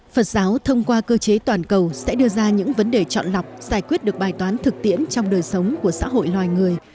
phật giáo thông qua cơ chế toàn cầu sẽ đưa ra những vấn đề chọn lọc giải quyết được bài toán thực tiễn trong đời sống của xã hội loài người